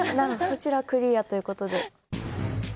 そちらクリアということで。